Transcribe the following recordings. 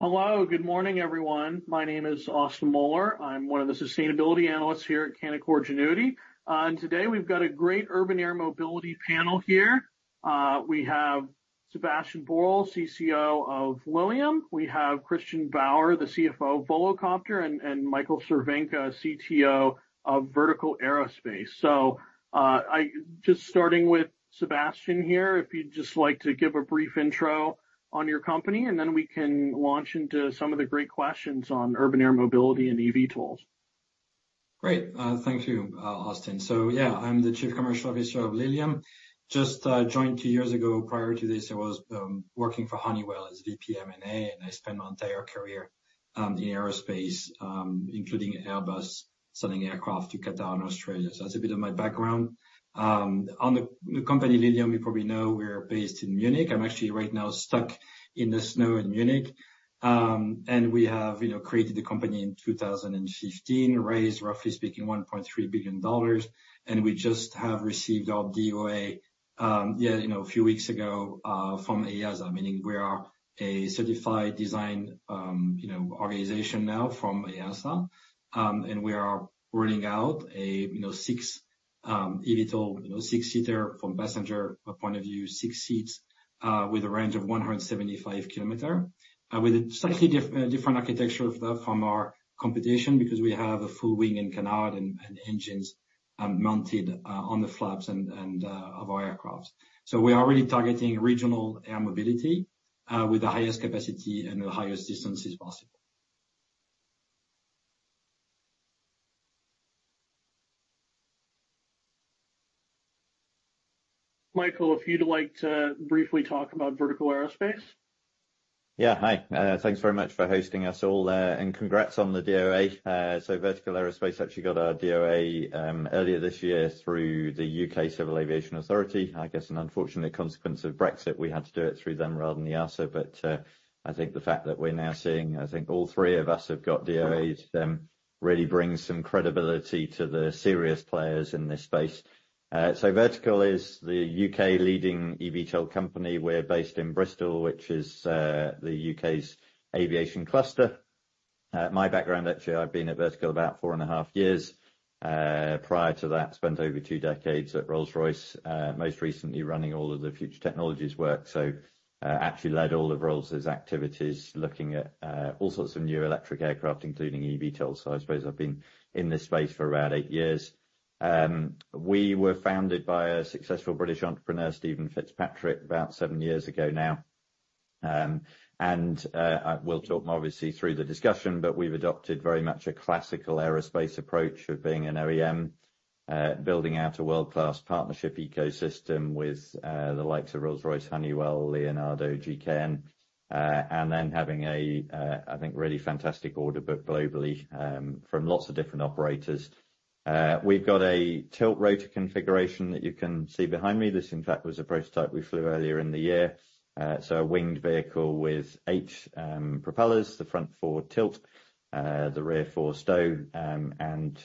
Hello, good morning, everyone. My name is Austin Moeller. I'm one of the sustainability analysts here at Canaccord Genuity. And today, we've got a great urban air mobility panel here. We have Sebastien Borel, CCO of Lilium. We have Christian Bauer, the CFO of Volocopter, and, and Michael Cervenka, CTO of Vertical Aerospace. So, I just starting with Sebastien here, if you'd just like to give a brief intro on your company, and then we can launch into some of the great questions on urban air mobility and EVTOLs. Great. Thank you, Austin. So yeah, I'm the Chief Commercial Officer of Lilium. Just joined two years ago. Prior to this, I was working for Honeywell as VP M&A, and I spent my entire career in aerospace, including Airbus, selling aircraft to Qatar and Australia. So that's a bit of my background. On the company, Lilium, you probably know we're based in Munich. I'm actually right now stuck in the snow in Munich. And we have, you know, created the company in 2015, raised, roughly speaking, $1.3 billion, and we just have received our DOA, yeah, you know, a few weeks ago, from EASA, meaning we are a certified design organization now from EASA. And we are rolling out a, you know, six, eVTOL, you know, six-seater from passenger point of view, six seats, with a range of 175 km. With a slightly different architecture of that from our competition, because we have a full wing and canard and engines mounted on the flaps and of our aircraft. So we are really targeting regional air mobility with the highest capacity and the highest distances possible. Michael, if you'd like to briefly talk about Vertical Aerospace? Yeah. Hi. Thanks very much for hosting us all, and congrats on the DOA. So Vertical Aerospace actually got our DOA earlier this year through the UK Civil Aviation Authority. I guess, an unfortunate consequence of Brexit, we had to do it through them rather than the EASA. But I think the fact that we're now seeing, I think all three of us have got DOAs, then really brings some credibility to the serious players in this space. So Vertical is the UK leading eVTOL company. We're based in Bristol, which is the UK's aviation cluster. My background, actually, I've been at Vertical about four and a half years. Prior to that, spent over two decades at Rolls-Royce, most recently running all of the future technologies work. So, actually led all of Rolls' activities, looking at all sorts of new electric aircraft, including eVTOLs. So I suppose I've been in this space for around eight years. We were founded by a successful British entrepreneur, Stephen Fitzpatrick, about seven years ago now. I will talk more, obviously, through the discussion, but we've adopted very much a classical aerospace approach of being an OEM, building out a world-class partnership ecosystem with the likes of Rolls-Royce, Honeywell, Leonardo, GKN, and then having, I think, a really fantastic order book globally, from lots of different operators. We've got a tilt rotor configuration that you can see behind me. This, in fact, was a prototype we flew earlier in the year. So a winged vehicle with eight propellers, the front four tilt, the rear four fixed, and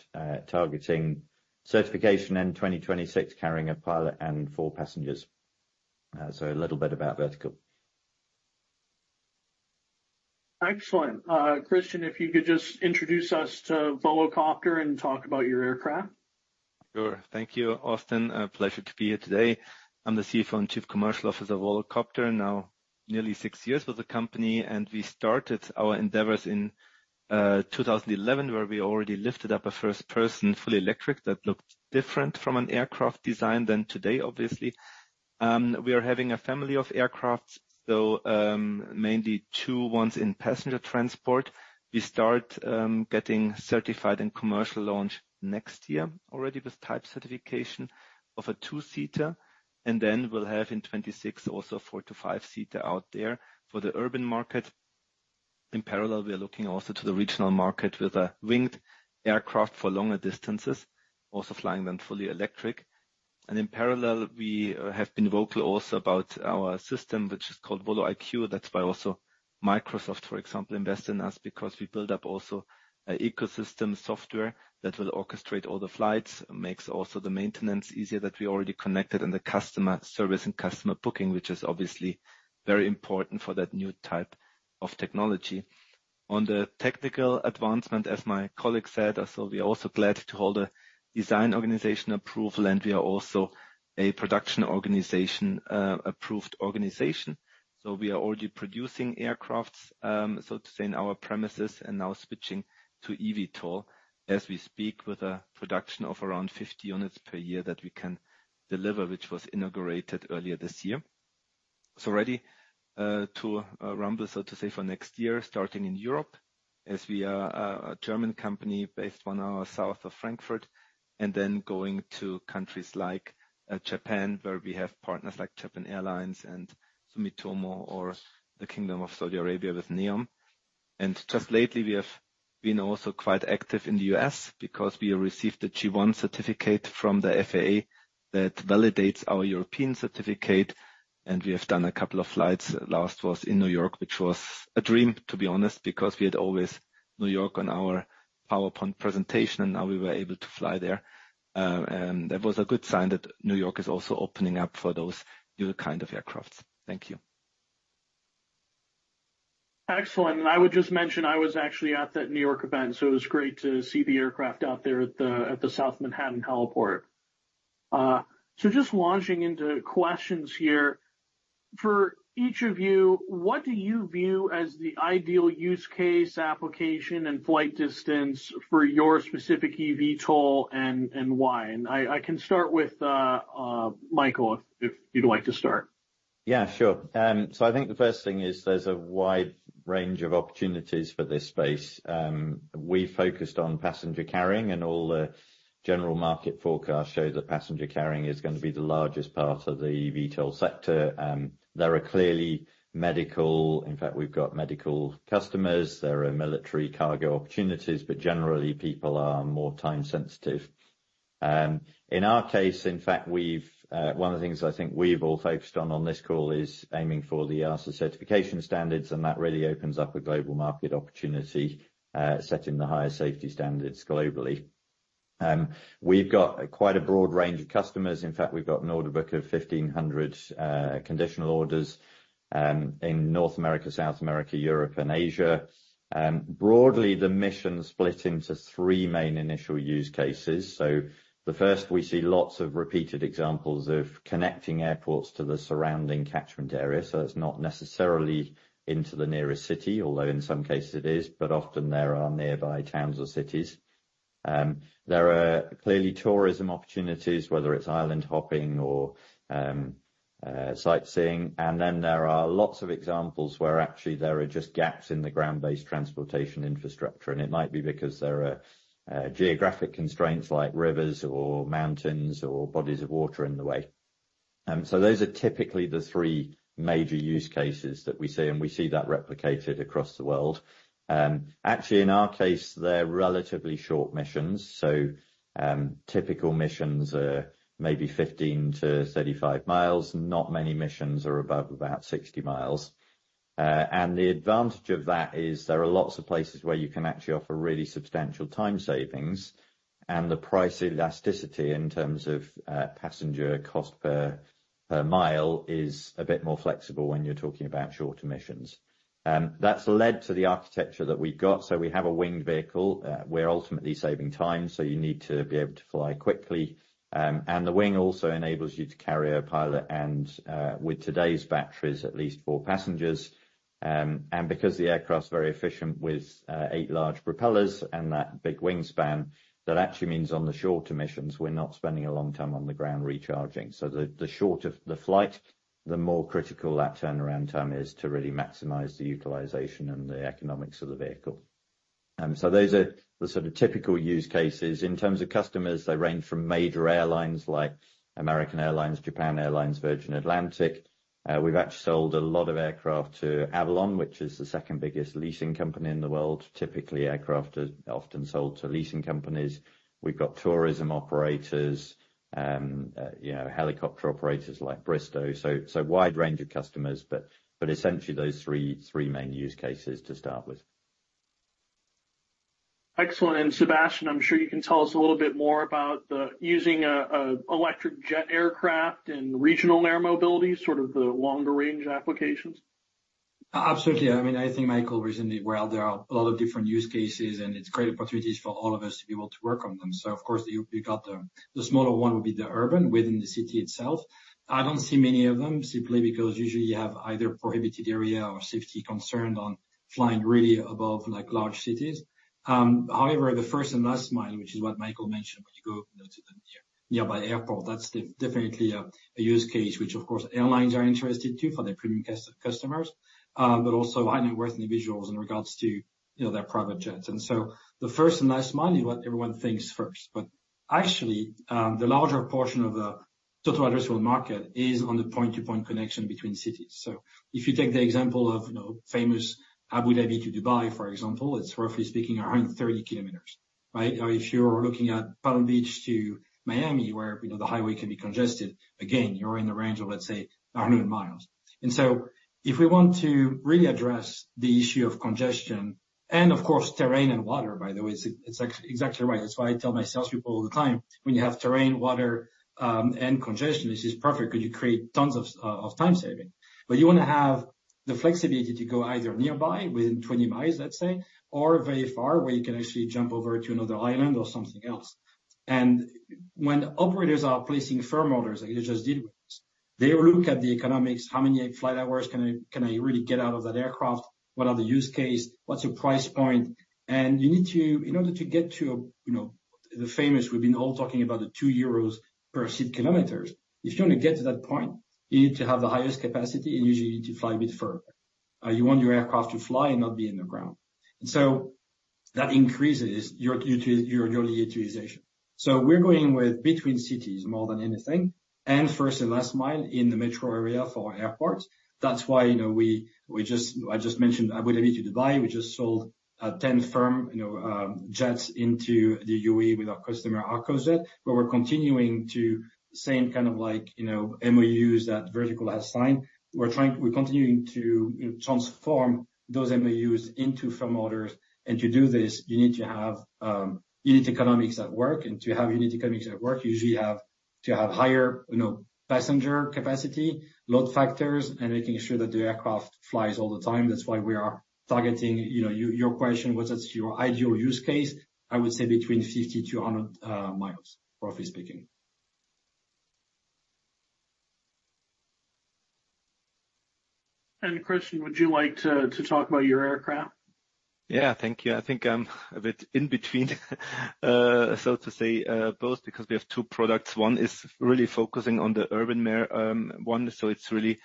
targeting certification in 2026, carrying a pilot and four passengers. So a little bit about Vertical. Excellent. Christian, if you could just introduce us to Volocopter and talk about your aircraft. Sure. Thank you, Austin. A pleasure to be here today. I'm the CFO and Chief Commercial Officer of Volocopter, now nearly six years with the company, and we started our endeavors in 2011, where we already lifted up a first-person, fully electric that looked different from an aircraft design than today, obviously. We are having a family of aircraft, so mainly two ones in passenger transport. We start getting certified in commercial launch next year, already with type certification of a two-seater, and then we'll have in 2026, also four to five seater out there for the urban market. In parallel, we are looking also to the regional market with a winged aircraft for longer distances, also flying them fully electric. And in parallel, we have been vocal also about our system, which is called VoloIQ. That's why also Microsoft, for example, invest in us, because we build up also an ecosystem software that will orchestrate all the flights, makes also the maintenance easier that we already connected, and the customer service and customer booking, which is obviously very important for that new type of technology. On the technical advancement, as my colleague said, so we are also glad to hold a Design Organization Approval, and we are also a production organization approved organization. So we are already producing aircraft, so to say, in our premises, and now switching to eVTOL as we speak, with a production of around 50 units per year that we can deliver, which was inaugurated earlier this year. So ready to rumble, so to say, for next year, starting in Europe, as we are a German company based one hour south of Frankfurt, and then going to countries like Japan, where we have partners like Japan Airlines and Sumitomo, or the Kingdom of Saudi Arabia with NEOM. And just lately, we have been also quite active in the U.S. because we received a G-1 certificate from the FAA that validates our European certificate, and we have done a couple of flights. Last was in New York, which was a dream, to be honest, because we had always New York on our-... PowerPoint presentation, and now we were able to fly there. And that was a good sign that New York is also opening up for those new kind of aircraft. Thank you. Excellent. And I would just mention, I was actually at that New York event, so it was great to see the aircraft out there at the South Manhattan Heliport. So just launching into questions here, for each of you, what do you view as the ideal use case application and flight distance for your specific EVTOL and, and why? And I can start with Michael, if you'd like to start. Yeah, sure. So I think the first thing is there's a wide range of opportunities for this space. We focused on passenger carrying, and all the general market forecasts show that passenger carrying is gonna be the largest part of the VTOL sector. There are clearly medical. In fact, we've got medical customers. There are military cargo opportunities, but generally, people are more time sensitive. In our case, in fact, we've one of the things I think we've all focused on, on this call is aiming for the EASA certification standards, and that really opens up a global market opportunity, setting the highest safety standards globally. We've got quite a broad range of customers. In fact, we've got an order book of 1,500 conditional orders in North America, South America, Europe and Asia. Broadly, the mission split into three main initial use cases. So the first, we see lots of repeated examples of connecting airports to the surrounding catchment area, so it's not necessarily into the nearest city, although in some cases it is, but often there are nearby towns or cities. There are clearly tourism opportunities, whether it's island hopping or sightseeing. And then there are lots of examples where actually there are just gaps in the ground-based transportation infrastructure, and it might be because there are geographic constraints like rivers or mountains or bodies of water in the way. So those are typically the three major use cases that we see, and we see that replicated across the world. Actually, in our case, they're relatively short missions, so typical missions are maybe 15-35 miles. Not many missions are above about 60 miles. And the advantage of that is there are lots of places where you can actually offer really substantial time savings, and the price elasticity in terms of, passenger cost per, per mile is a bit more flexible when you're talking about shorter missions. That's led to the architecture that we've got. So we have a winged vehicle. We're ultimately saving time, so you need to be able to fly quickly. And the wing also enables you to carry a pilot and, with today's batteries, at least four passengers. And because the aircraft's very efficient with, eight large propellers and that big wingspan, that actually means on the shorter missions, we're not spending a long time on the ground recharging. So the shorter the flight, the more critical that turnaround time is to really maximize the utilization and the economics of the vehicle. So those are the sort of typical use cases. In terms of customers, they range from major airlines like American Airlines, Japan Airlines, Virgin Atlantic. We've actually sold a lot of aircraft to Avalon, which is the second biggest leasing company in the world. Typically, aircraft are often sold to leasing companies. We've got tourism operators, you know, helicopter operators like Bristow, so wide range of customers, but essentially those three main use cases to start with. Excellent. Sebastien, I'm sure you can tell us a little bit more about using an electric jet aircraft and regional air mobility, sort of the longer range applications. Absolutely. I mean, I think Michael reasoned it well. There are a lot of different use cases, and it's great opportunities for all of us to be able to work on them. So of course, you got the smaller one would be the urban, within the city itself. I don't see many of them, simply because usually you have either prohibited area or safety concern on flying really above, like, large cities. However, the first and last mile, which is what Michael mentioned, when you go to the nearby airport, that's definitely a use case, which, of course, airlines are interested too, for their premium customers, but also high net worth individuals in regards to, you know, their private jets. So the first and last mile is what everyone thinks first, but actually, the larger portion of the total addressable market is on the point-to-point connection between cities. So if you take the example of, you know, famous Abu Dhabi to Dubai, for example, it's roughly speaking, 130 km, right? Or if you're looking at Palm Beach to Miami, where, you know, the highway can be congested, again, you're in the range of, let's say, 100 mi. And so if we want to really address the issue of congestion and of course, terrain and water, by the way, it's exactly right. That's why I tell my salespeople all the time, "When you have terrain, water, and congestion, this is perfect because you create tons of time saving." But you wanna have the flexibility to go either nearby, within 20 miles, let's say, or very far, where you can actually jump over to another island or something else. And when operators are placing firm orders, like you just did with us, they look at the economics. How many flight hours can I really get out of that aircraft? What are the use case? What's the price point? And you need to—in order to get to, you know, the famous, we've been all talking about the 2 euros per seat kilometer. If you want to get to that point, you need to have the highest capacity, and usually you need to fly a bit further. You want your aircraft to fly and not be on the ground. And so that increases your utilization. So we're going with between cities more than anything, and first and last mile in the metro area for airports. That's why, you know, I just mentioned Abu Dhabi to Dubai. We just sold 10 firm jets into the UAE with our customer, ArcosJet. But we're continuing to the same kind of like, you know, MOUs that Vertical has signed. We're continuing to, you know, transform those MOUs into firm orders. And to do this, you need to have unit economics at work. And to have unit economics at work, you usually have to have higher, you know, passenger capacity, load factors, and making sure that the aircraft flies all the time. That's why we are targeting, you know, your question, what is your ideal use case? I would say between 50-100 miles, roughly speaking. Christian, would you like to talk about your aircraft? Yeah, thank you. I think I'm a bit in between, so to say, both because we have two products. One is really focusing on the urban mobility, one, so it's really,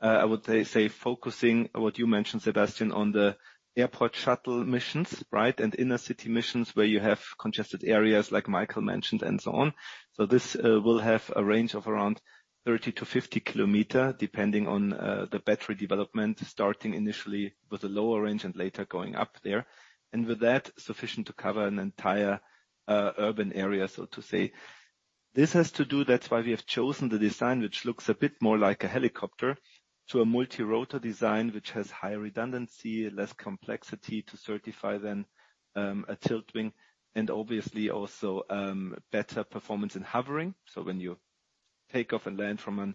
I would say, focusing, what you mentioned, Sebastien, on the airport shuttle missions, right? And inner city missions where you have congested areas like Michael mentioned, and so on. So this will have a range of around 30-50 kilometers, depending on the battery development, starting initially with a lower range and later going up there. And with that, sufficient to cover an entire urban area, so to say. This has to do-- That's why we have chosen the design, which looks a bit more like a helicopter, to a multirotor design, which has high redundancy, less complexity to certify than a tilt wing, and obviously also better performance in hovering. So when you take off and land from a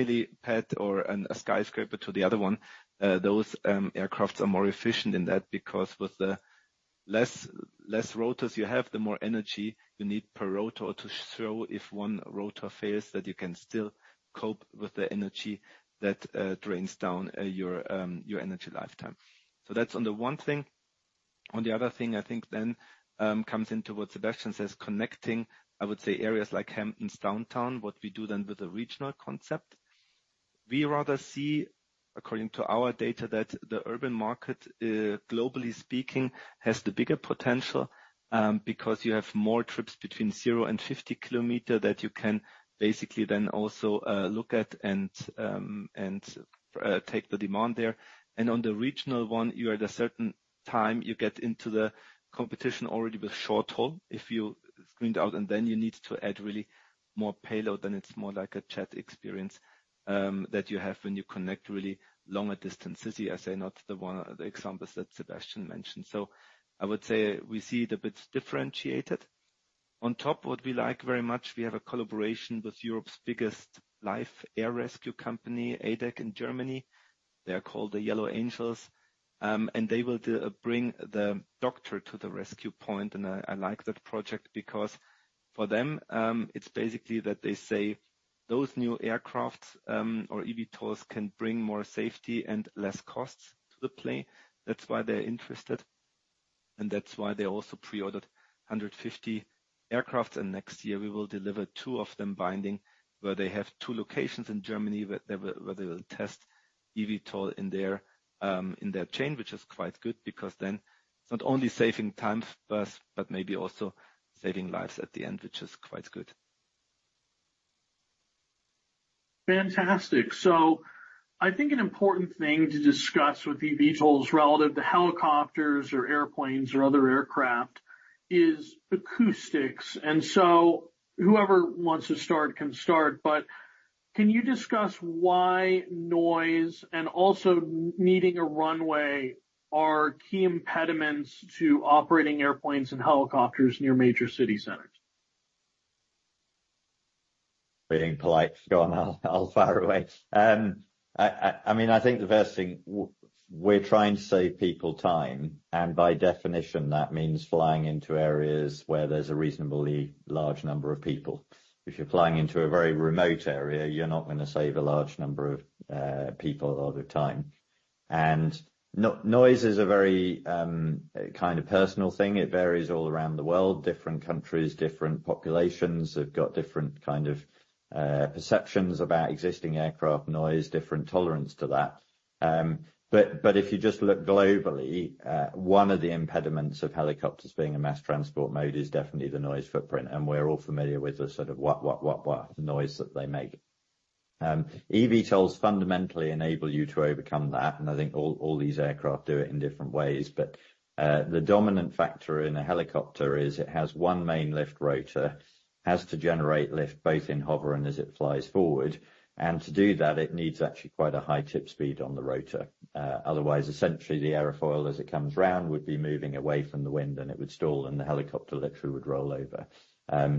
helipad or a skyscraper to the other one, those aircraft are more efficient in that, because with the less rotors you have, the more energy you need per rotor to show if one rotor fails, that you can still cope with the energy that drains down your energy lifetime. So that's on the one thing. On the other thing, I think then comes into what Sebastien says, connecting, I would say, areas like Hamptons Downtown, what we do then with the regional concept. We rather see, according to our data, that the urban market, globally speaking, has the bigger potential, because you have more trips between 0 and 50 km that you can basically then also look at and take the demand there. On the regional one, you are at a certain time, you get into the competition already with short haul, if you screened out, and then you need to add really more payload, then it's more like a shuttle experience, that you have when you connect really longer distances, as say, not the one—the examples that Sebastien mentioned. So I would say we see it a bit differentiated. On top, what we like very much, we have a collaboration with Europe's biggest air rescue company, ADAC, in Germany. They are called the Yellow Angels, and they will bring the doctor to the rescue point, and I like that project because for them, it's basically that they say those new aircraft, or eVTOLs, can bring more safety and less costs to the play. That's why they're interested, and that's why they also pre-ordered 150 aircraft, and next year we will deliver two of them binding, where they have two locations in Germany, where they will test eVTOL in their, in their chain, which is quite good, because then it's not only saving time for us, but maybe also saving lives at the end, which is quite good. Fantastic. So I think an important thing to discuss with eVTOLs relative to helicopters or airplanes or other aircraft, is acoustics. And so whoever wants to start can start, but can you discuss why noise and also needing a runway are key impediments to operating airplanes and helicopters near major city centers? Being polite. Go on, I'll fire away. I mean, I think the first thing, we're trying to save people time, and by definition, that means flying into areas where there's a reasonably large number of people. If you're flying into a very remote area, you're not gonna save a large number of people or the time. Noise is a very kind of personal thing. It varies all around the world. Different countries, different populations, have got different kind of perceptions about existing aircraft noise, different tolerance to that. But if you just look globally, one of the impediments of helicopters being a mass transport mode is definitely the noise footprint, and we're all familiar with the sort of wa, wa, wa, wa, the noise that they make. eVTOLs fundamentally enable you to overcome that, and I think all these aircraft do it in different ways. But the dominant factor in a helicopter is it has one main lift rotor, has to generate lift both in hover and as it flies forward. And to do that, it needs actually quite a high tip speed on the rotor. Otherwise, essentially, the airfoil, as it comes round, would be moving away from the wind, and it would stall, and the helicopter literally would roll over.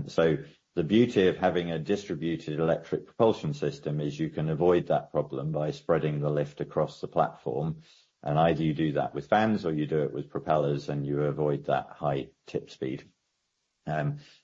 So the beauty of having a Distributed Electric Propulsion system is you can avoid that problem by spreading the lift across the platform, and either you do that with fans or you do it with propellers, and you avoid that high tip speed.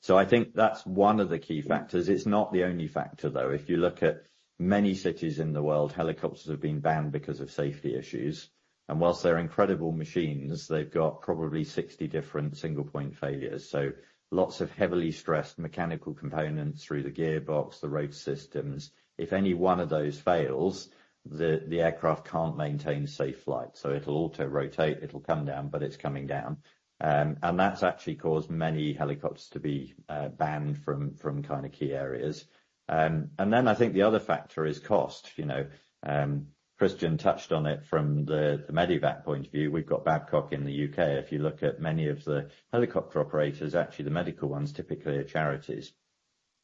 So I think that's one of the key factors. It's not the only factor, though. If you look at many cities in the world, helicopters have been banned because of safety issues. And while they're incredible machines, they've got probably 60 different single point failures. So lots of heavily stressed mechanical components through the gearbox, the rotor systems. If any one of those fails, the aircraft can't maintain safe flight, so it'll auto rotate, it'll come down, but it's coming down. And that's actually caused many helicopters to be banned from kind of key areas. And then I think the other factor is cost. You know, Christian touched on it from the medevac point of view. We've got Babcock in the UK. If you look at many of the helicopter operators, actually, the medical ones typically are charities.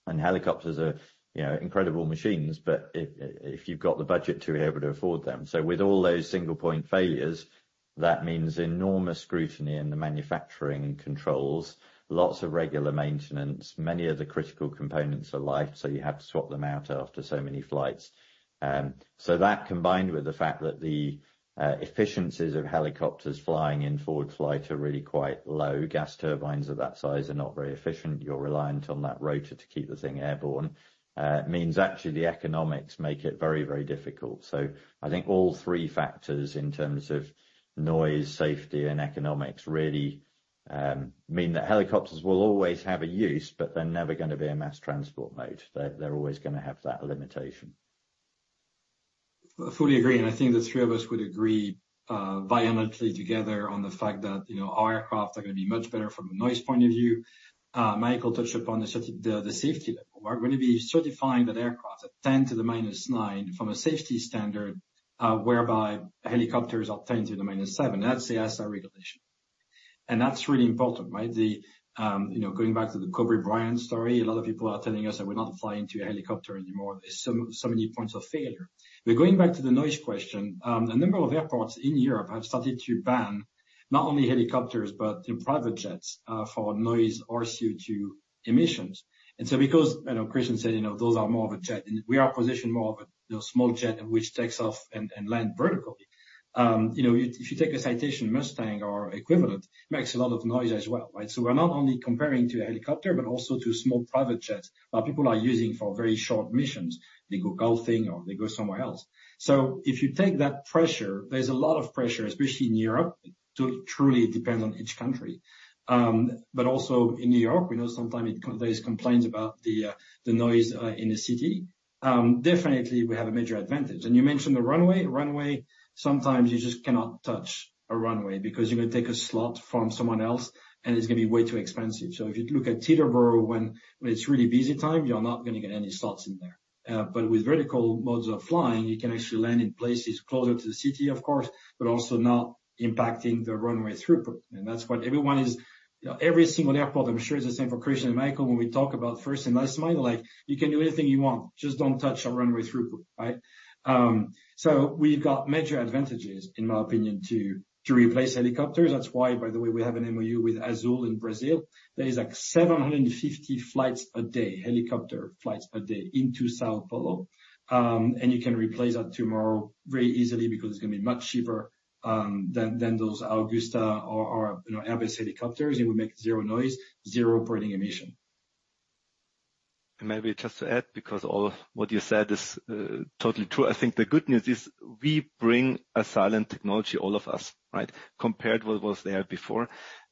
And helicopters are... You know, incredible machines, but if you've got the budget to be able to afford them. So with all those single point failures, that means enormous scrutiny in the manufacturing controls, lots of regular maintenance. Many of the critical components are live, so you have to swap them out after so many flights. So that, combined with the fact that the efficiencies of helicopters flying in forward flight are really quite low. Gas turbines of that size are not very efficient. You're reliant on that rotor to keep the thing airborne, means actually the economics make it very, very difficult. So I think all three factors in terms of noise, safety, and economics, really, mean that helicopters will always have a use, but they're never gonna be a mass transport mode. They're always gonna have that limitation. I fully agree, and I think the three of us would agree, vehemently together on the fact that, you know, our aircraft are gonna be much better from a noise point of view. Michael touched upon the safety level. We're gonna be certifying that aircraft at 10⁻⁹ from a safety standard, whereby helicopters are 10⁻⁷. That's the EASA regulation, and that's really important, right? You know, going back to the Kobe Bryant story, a lot of people are telling us they will not fly into a helicopter anymore. There's so, so many points of failure. But going back to the noise question, a number of airports in Europe have started to ban not only helicopters, but in private jets, for noise or CO2 emissions. Because, you know, Christian said, you know, those are more of a jet, and we are positioned more of a, you know, small jet, which takes off and land vertically. You know, if you take a Citation Mustang or equivalent, makes a lot of noise as well, right? So we're not only comparing to a helicopter, but also to small private jets that people are using for very short missions. They go golfing or they go somewhere else. So if you take that pressure, there's a lot of pressure, especially in Europe, to truly depend on each country. But also in New York, we know sometimes there is complaints about the noise in the city. Definitely, we have a major advantage. And you mentioned the runway. Runway, sometimes you just cannot touch a runway because you're gonna take a slot from someone else, and it's gonna be way too expensive. So if you look at Teterboro, when it's really busy time, you're not gonna get any slots in there. But with vertical modes of flying, you can actually land in places closer to the city, of course, but also not impacting the runway throughput. And that's what everyone is... You know, every single airport, I'm sure it's the same for Christian and Michael, when we talk about first and last mile, like, you can do anything you want, just don't touch our runway throughput, right? So we've got major advantages, in my opinion, to replace helicopters. That's why, by the way, we have an MOU with Azul in Brazil. There is, like, 750 flights a day, helicopter flights a day into São Paulo. And you can replace that tomorrow very easily because it's gonna be much cheaper than those Augusta or you know, Airbus helicopters. It will make zero noise, zero operating emission. And maybe just to add, because all of what you said is totally true. I think the good news is we bring a silent technology, all of us, right? Compared with what's there before.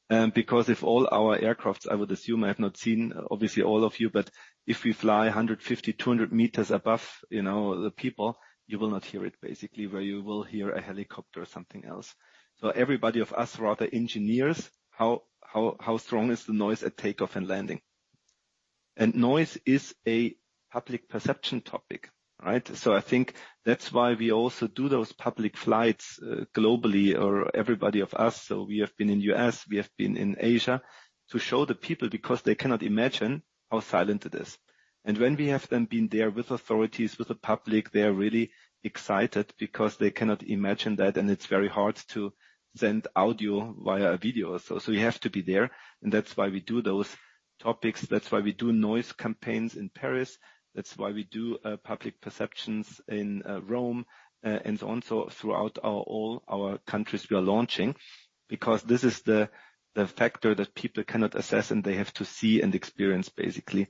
Because if all our aircraft, I would assume, I have not seen, obviously, all of you, but if we fly 150-200 meters above, you know, the people, you will not hear it basically, where you will hear a helicopter or something else. So everybody of us, rather engineers, how strong is the noise at takeoff and landing? And noise is a public perception topic, right? So I think that's why we also do those public flights globally or everybody of us. So we have been in U.S., we have been in Asia, to show the people because they cannot imagine how silent it is. And when we have then been there with authorities, with the public, they are really excited because they cannot imagine that, and it's very hard to send audio via a video. So you have to be there, and that's why we do those topics. That's why we do noise campaigns in Paris. That's why we do public perceptions in Rome, and so on, so throughout our all our countries, we are launching, because this is the factor that people cannot assess, and they have to see and experience, basically.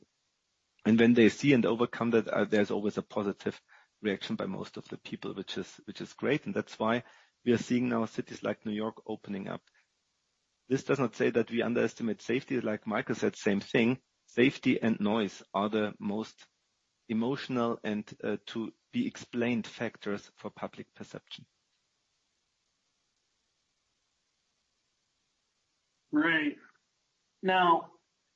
And when they see and overcome that, there's always a positive reaction by most of the people, which is great, and that's why we are seeing now cities like New York opening up. This does not say that we underestimate safety. Like Michael said, same thing, safety and noise are the most emotional and to-be-explained factors for public perception. Great. Now,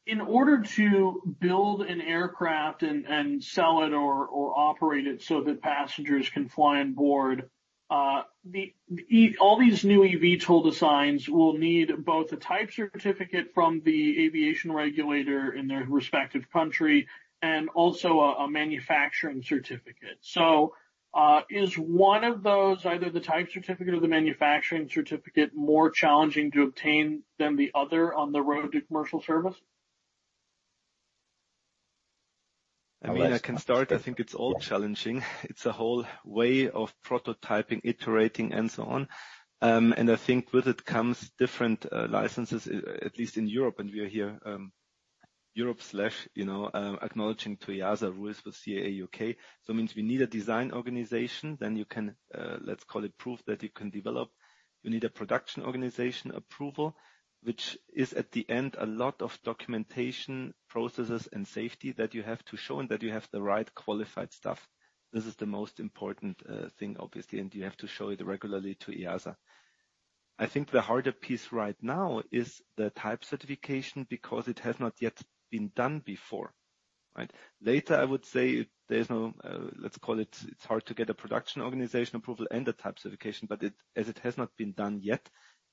in order to build an aircraft and sell it or operate it so that passengers can fly on board, all these new eVTOL designs will need both a Type Certificate from the aviation regulator in their respective country and also a manufacturing certificate. So, is one of those, either the Type Certificate or the manufacturing certificate, more challenging to obtain than the other on the road to commercial service? I mean, I can start. I think it's all challenging. It's a whole way of prototyping, iterating, and so on. And I think with it comes different licenses, at least in Europe, and we are here, Europe slash, you know, acknowledging to EASA rules for CAA, UK. So it means we need a design organization. Then you can, let's call it, prove that you can develop. You need a production organization approval, which is, at the end, a lot of documentation, processes, and safety that you have to show, and that you have the right qualified staff. This is the most important thing, obviously, and you have to show it regularly to EASA. I think the harder piece right now is the type certification, because it has not yet been done before, right? Later, I would say there's no, let's call it, it's hard to get a Production Organization Approval and a type certification, but it, as it has not been done yet,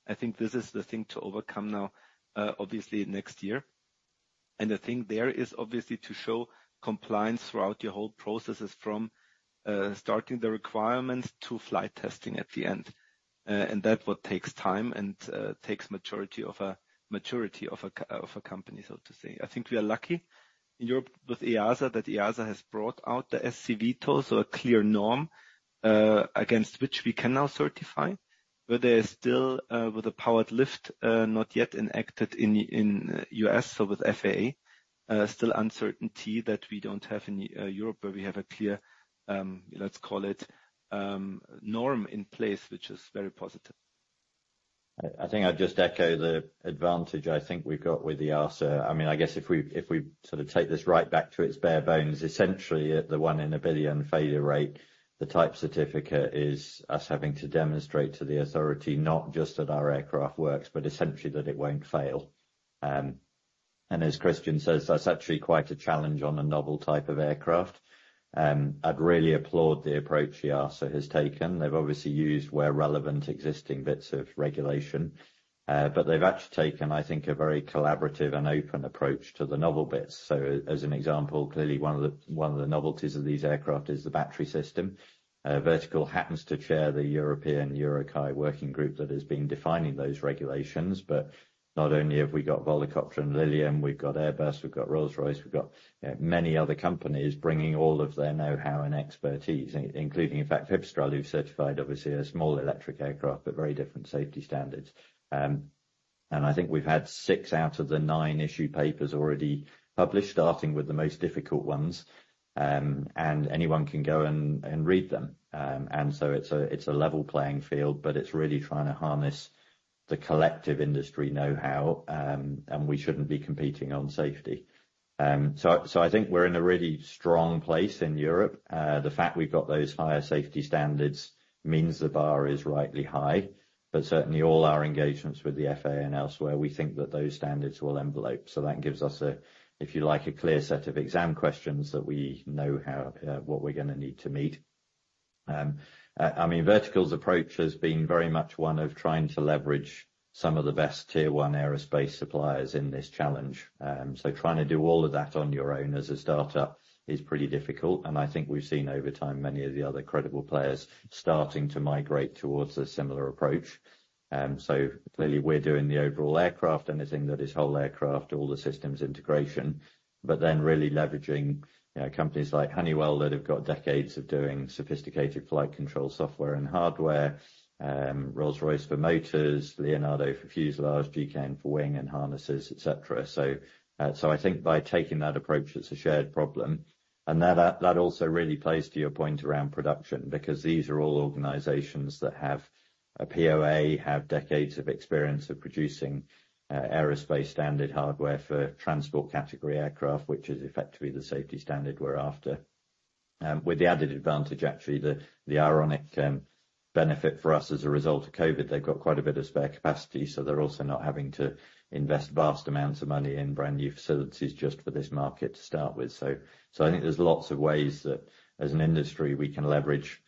I think this is the thing to overcome now, obviously, next year.... And the thing there is obviously to show compliance throughout your whole processes, from starting the requirements to flight testing at the end. And that's what takes time and takes maturity of a company, so to say. I think we are lucky in Europe with EASA, that EASA has brought out the SC-VTOL, so a clear norm against which we can now certify. But there is still, with the powered lift, not yet enacted in U.S., so with FAA, still uncertainty that we don't have in Europe, where we have a clear, let's call it, norm in place, which is very positive. I think I'd just echo the advantage I think we've got with the EASA. I mean, I guess if we sort of take this right back to its bare bones, essentially, at the one in a billion failure rate, the type certificate is us having to demonstrate to the authority, not just that our aircraft works, but essentially that it won't fail. As Christian says, that's actually quite a challenge on a novel type of aircraft. I'd really applaud the approach EASA has taken. They've obviously used, where relevant, existing bits of regulation. But they've actually taken, I think, a very collaborative and open approach to the novel bits. So as an example, clearly one of the novelties of these aircraft is the battery system. Vertical happens to chair the European EUROCAE Working Group that has been defining those regulations, but not only have we got Volocopter and Lilium, we've got Airbus, we've got Rolls-Royce, we've got many other companies bringing all of their know-how and expertise, including, in fact, Pipistrel, who certified, obviously, a small electric aircraft, but very different safety standards. And I think we've had six out of the nine issue papers already published, starting with the most difficult ones, and anyone can go and read them. And so it's a level playing field, but it's really trying to harness the collective industry know-how, and we shouldn't be competing on safety. So I think we're in a really strong place in Europe. The fact we've got those higher safety standards means the bar is rightly high, but certainly all our engagements with the FAA and elsewhere, we think that those standards will envelop. So that gives us a, if you like, a clear set of exam questions that we know how, what we're gonna need to meet. I mean, Vertical's approach has been very much one of trying to leverage some of the best tier one aerospace suppliers in this challenge. So trying to do all of that on your own as a startup is pretty difficult, and I think we've seen over time, many of the other credible players starting to migrate towards a similar approach. So clearly we're doing the overall aircraft, anything that is whole aircraft, all the systems integration, but then really leveraging companies like Honeywell, that have got decades of doing sophisticated flight control software and hardware, Rolls-Royce for motors, Leonardo for fuselage, GKN for wing and harnesses, et cetera. So I think by taking that approach, it's a shared problem. And that also really plays to your point around production, because these are all organizations that have a POA, have decades of experience of producing aerospace standard hardware for Transport Category aircraft, which is effectively the safety standard we're after. With the added advantage, actually, the ironic benefit for us as a result of COVID, they've got quite a bit of spare capacity, so they're also not having to invest vast amounts of money in brand-new facilities just for this market to start with. So I think there's lots of ways that as an industry, we can leverage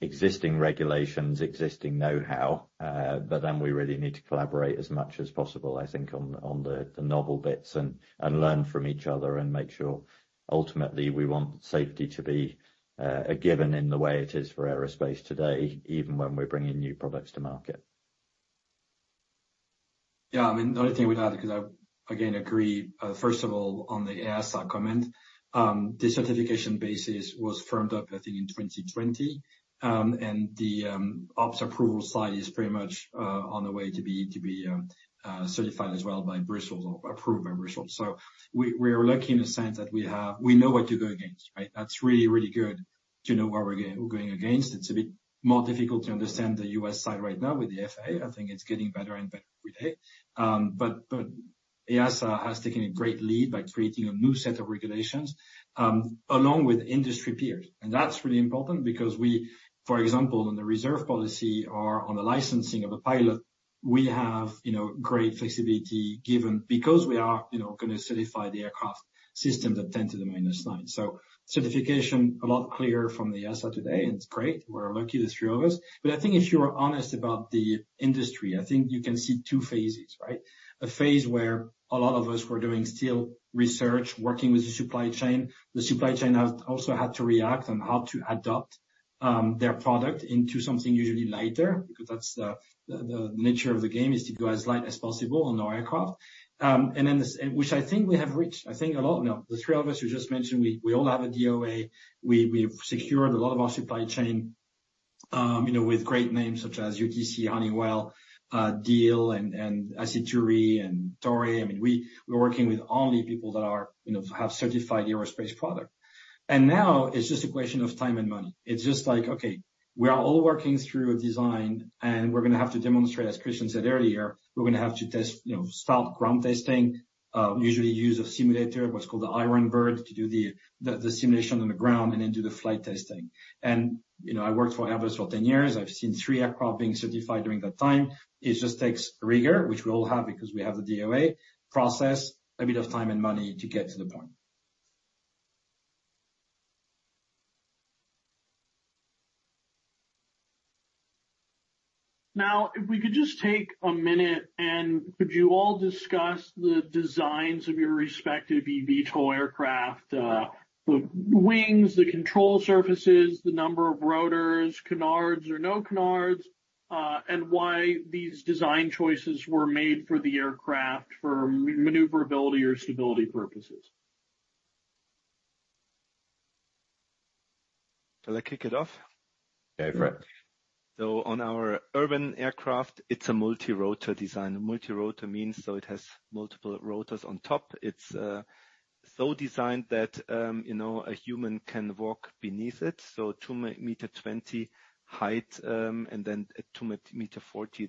existing regulations, existing know-how, but then we really need to collaborate as much as possible, I think, on the novel bits and learn from each other and make sure ultimately, we want safety to be a given in the way it is for aerospace today, even when we're bringing new products to market. Yeah, I mean, the only thing I would add, because I again agree, first of all, on the EASA comment, the certification basis was firmed up, I think, in 2020. And the ops approval side is pretty much on the way to be certified as well by Brussels or approved by Brussels. So we are lucky in a sense that we have we know what to go against, right? That's really, really good to know where we're going against. It's a bit more difficult to understand the U.S. side right now with the FAA. I think it's getting better and better every day. But EASA has taken a great lead by creating a new set of regulations along with industry peers. And that's really important because we... For example, on the reserve policy or on the licensing of a pilot, we have, you know, great flexibility given, because we are, you know, gonna certify the aircraft system that 10⁻⁹. So certification a lot clearer from the EASA today, and it's great. We're lucky, the three of us. But I think if you are honest about the industry, I think you can see two phases, right? A phase where a lot of us were doing still research, working with the supply chain. The supply chain have also had to react on how to adapt their product into something usually lighter, because that's the nature of the game, is to go as light as possible on our aircraft. And then, which I think we have reached. I think a lot, you know, the three of us who just mentioned, we all have a DOA. We've secured a lot of our supply chain, you know, with great names such as UTC, Honeywell, Diehl, and Aciturri and Toray. I mean, we're working with only people that are, you know, have certified aerospace product. And now it's just a question of time and money. It's just like, okay, we are all working through a design, and we're gonna have to demonstrate, as Christian said earlier, we're gonna have to test, you know, start ground testing, usually use a simulator, what's called the Iron Bird, to do the simulation on the ground and then do the flight testing. And, you know, I worked for Airbus for 10 years. I've seen 3 aircraft being certified during that time. It just takes rigor, which we all have because we have the DOA process, a bit of time and money to get to the point. ... Now, if we could just take a minute, and could you all discuss the designs of your respective eVTOL aircraft, the wings, the control surfaces, the number of rotors, canards or no canards, and why these design choices were made for the aircraft for maneuverability or stability purposes? Shall I kick it off? Yeah, great. So on our urban aircraft, it's a multirotor design. Multirotor means, so it has multiple rotors on top. It's so designed that, you know, a human can walk beneath it, so 2.20-meter height, and then at 2.40-meter,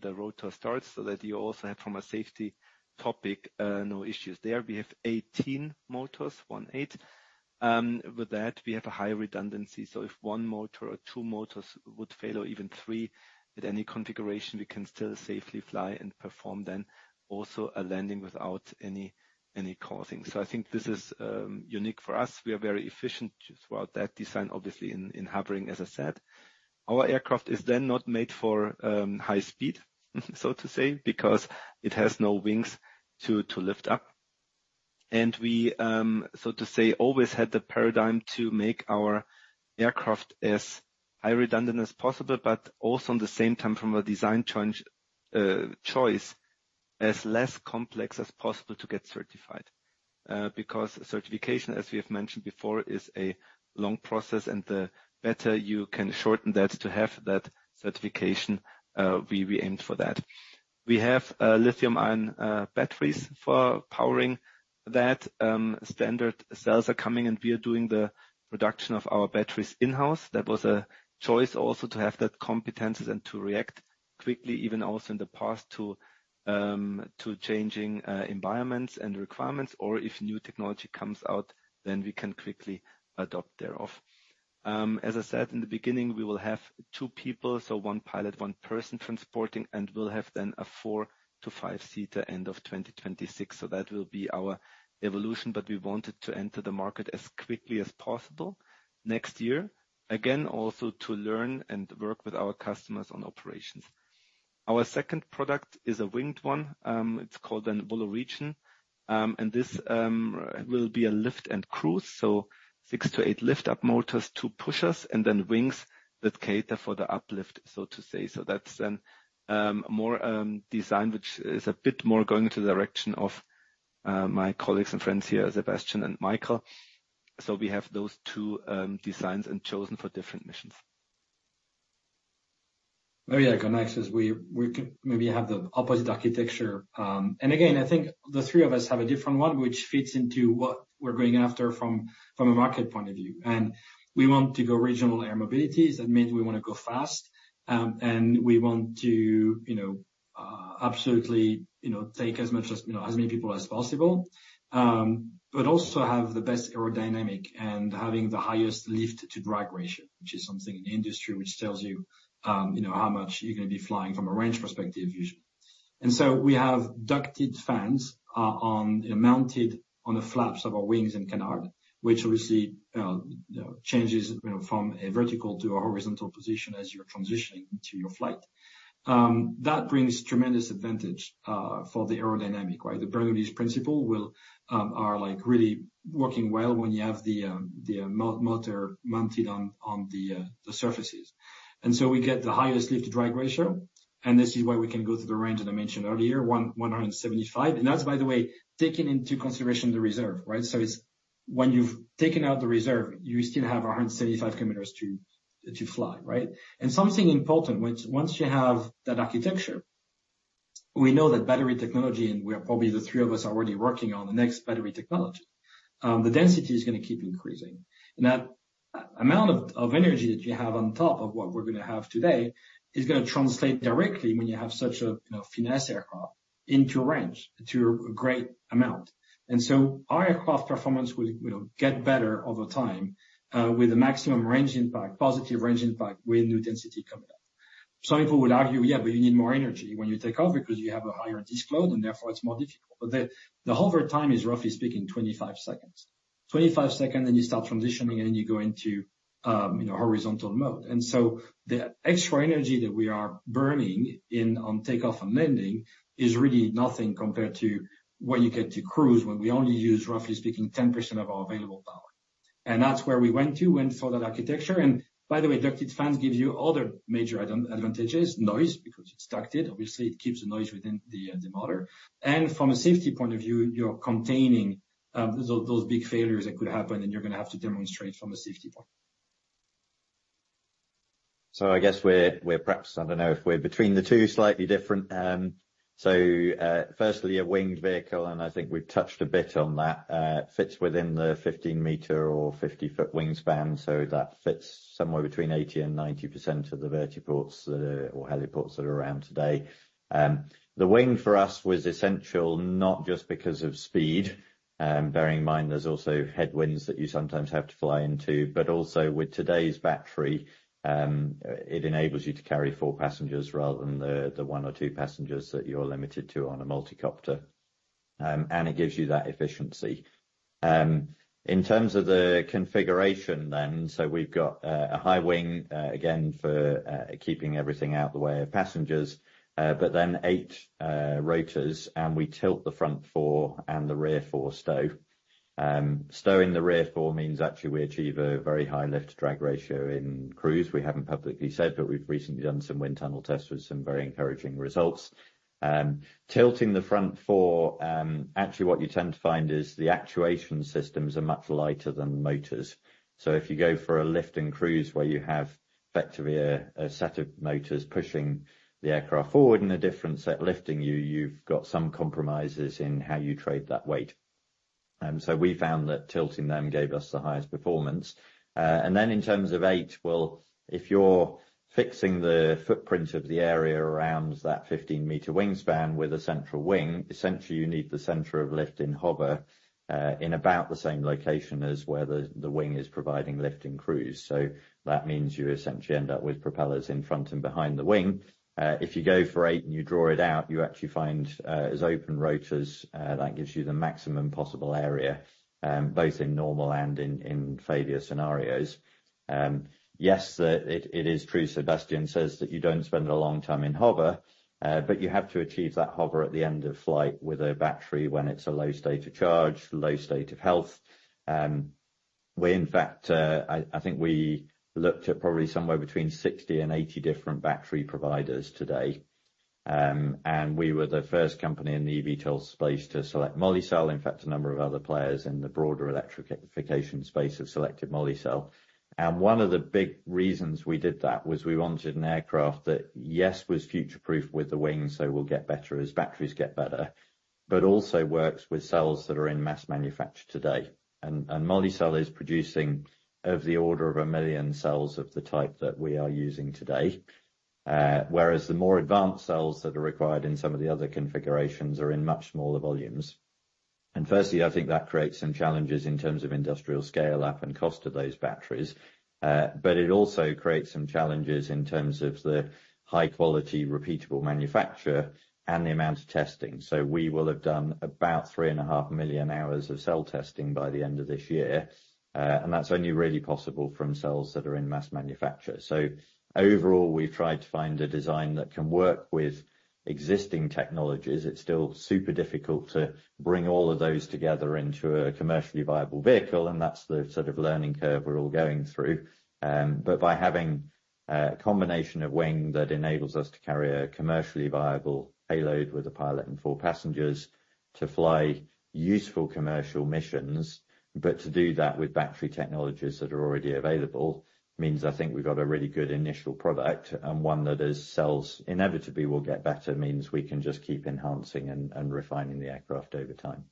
the rotor starts, so that you also have, from a safety topic, no issues there. We have 18 motors. With that, we have a high redundancy, so if 1 motor or 2 motors would fail, or even 3, with any configuration, we can still safely fly and perform then also a landing without any causing. So I think this is unique for us. We are very efficient throughout that design, obviously, in hovering, as I said. Our aircraft is then not made for high speed, so to say, because it has no wings to lift up. We, so to say, always had the paradigm to make our aircraft as high redundant as possible, but also in the same time, from a design choice, as less complex as possible to get certified. Because certification, as we have mentioned before, is a long process, and the better you can shorten that to have that certification, we aim for that. We have lithium-ion batteries for powering that. Standard cells are coming, and we are doing the production of our batteries in-house. That was a choice also to have that competence and to react quickly, even also in the past, to changing environments and requirements, or if new technology comes out, then we can quickly adopt thereof. As I said in the beginning, we will have two people, so one pilot, one person transporting, and we'll have then a 4-5-seater end of 2026. So that will be our evolution, but we wanted to enter the market as quickly as possible next year. Again, also to learn and work with our customers on operations. Our second product is a winged one. It's called an VoloRegion. And this will be a lift and cruise, so 6-8 lift-up motors, 2 pushers, and then wings that cater for the uplift, so to say. So that's an more design, which is a bit more going to the direction of my colleagues and friends here, Sebastien and Michael. So we have those two designs and chosen for different missions. Very iconic axis. We could maybe have the opposite architecture. And again, I think the three of us have a different one, which fits into what we're going after from a market point of view. And we want to go regional air mobility, that means we want to go fast, and we want to, you know, absolutely, you know, take as much as, you know, as many people as possible. But also have the best aerodynamics and having the highest lift-to-drag ratio, which is something in the industry, which tells you, you know, how much you're going to be flying from a range perspective, usually. And so we have ducted fans mounted on the flaps of our wings and canard, which obviously, you know, changes, you know, from a vertical to a horizontal position as you're transitioning into your flight. That brings tremendous advantage for the aerodynamics, right? The Bernoulli's Principle will are like really working well when you have the motor mounted on the surfaces. And so we get the highest lift-to-drag ratio, and this is why we can go to the range that I mentioned earlier, 175. And that's, by the way, taking into consideration the reserve, right? So it's when you've taken out the reserve, you still have 175 kilometers to fly, right? Something important, once you have that architecture, we know that battery technology, and we are probably the three of us already working on the next battery technology, the density is going to keep increasing. And that amount of energy that you have on top of what we're going to have today is going to translate directly when you have such a, you know, finesse aircraft into range, to a great amount. And so our aircraft performance will get better over time, with the maximum range impact, positive range impact, with new density coming up. Some people would argue, "Yeah, but you need more energy when you take off because you have a higher disk load, and therefore it's more difficult." But the hover time is, roughly speaking, 25 seconds. 25 seconds, then you start transitioning, and you go into, you know, horizontal mode. And so the extra energy that we are burning in on takeoff and landing is really nothing compared to what you get to cruise, when we only use, roughly speaking, 10% of our available power. And that's where we went to and for that architecture. And by the way, ducted fans gives you other major advantages, noise, because it's ducted. Obviously, it keeps the noise within the, the motor. And from a safety point of view, you're containing, those big failures that could happen, and you're going to have to demonstrate from a safety point. So I guess we're perhaps, I don't know if we're between the two, slightly different. Firstly, a winged vehicle, and I think we've touched a bit on that, fits within the 15-meter or 50-foot wingspan, so that fits somewhere between 80% and 90% of the vertiports or heliports that are around today. The wing for us was essential, not just because of speed, bearing in mind there's also headwinds that you sometimes have to fly into, but also with today's battery, it enables you to carry 4 passengers rather than the 1 or 2 passengers that you're limited to on a multicopter. And it gives you that efficiency. In terms of the configuration then, so we've got a high wing, again, for keeping everything out of the way of passengers, but then eight rotors, and we tilt the front four and the rear four stow. Stowing the rear four means actually we achieve a very high lift-to-drag ratio in cruise. We haven't publicly said, but we've recently done some wind tunnel tests with some very encouraging results. Tilting the front four, actually what you tend to find is the actuation systems are much lighter than motors. So if you go for a lift and cruise where you have effectively a set of motors pushing the aircraft forward and a different set lifting you, you've got some compromises in how you trade that weight. So we found that tilting them gave us the highest performance. And then in terms of 8, well, if you're fixing the footprint of the area around that 15-meter wingspan with a central wing, essentially you need the center of lift in hover in about the same location as where the wing is providing lift and cruise. So that means you essentially end up with propellers in front and behind the wing. If you go for 8 and you draw it out, you actually find as open rotors that gives you the maximum possible area both in normal and in failure scenarios. Yes, it is true, Sebastien says that you don't spend a long time in hover, but you have to achieve that hover at the end of flight with a battery when it's a low state of charge, low state of health. We in fact, I think we looked at probably somewhere between 60 and 80 different battery providers today. We were the first company in the eVTOL space to select Molicel. In fact, a number of other players in the broader electrification space have selected Molicel. One of the big reasons we did that was we wanted an aircraft that, yes, was future-proof with the wings, so will get better as batteries get better, but also works with cells that are in mass manufacture today. Molicel is producing of the order of 1 million cells of the type that we are using today, whereas the more advanced cells that are required in some of the other configurations are in much smaller volumes. Firstly, I think that creates some challenges in terms of industrial scale-up and cost of those batteries, but it also creates some challenges in terms of the high-quality, repeatable manufacture and the amount of testing. We will have done about 3.5 million hours of cell testing by the end of this year, and that's only really possible from cells that are in mass manufacture. So overall, we've tried to find a design that can work with existing technologies. It's still super difficult to bring all of those together into a commercially viable vehicle, and that's the sort of learning curve we're all going through. But by having a combination of wing that enables us to carry a commercially viable payload with a pilot and four passengers to fly useful commercial missions, but to do that with battery technologies that are already available, means I think we've got a really good initial product, and one that as cells inevitably will get better, means we can just keep enhancing and refining the aircraft over time.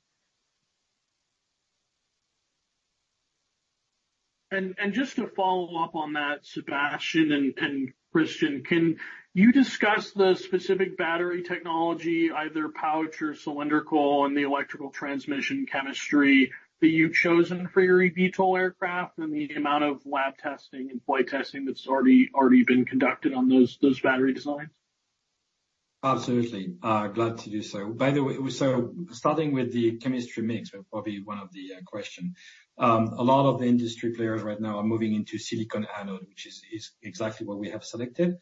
Just to follow up on that, Sebastien and Christian, can you discuss the specific battery technology, either pouch or cylindrical, and the electrical transmission chemistry that you've chosen for your eVTOL aircraft, and the amount of lab testing and flight testing that's already been conducted on those battery designs? Absolutely. Glad to do so. By the way, so starting with the chemistry mix, probably a lot of the industry players right now are moving into silicon anode, which is exactly what we have selected.